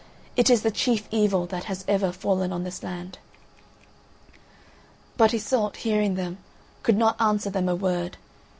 It is the chief evil that has ever fallen on this land." But Iseult, hearing them, could not answer them a word.